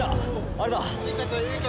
あれだ！